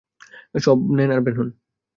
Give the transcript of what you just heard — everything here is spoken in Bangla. সব নেন আর বের হন।